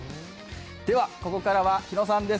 ここからは日野さんです。